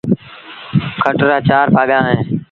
کٽ رآ چآر پآڳآ اهيݩ۔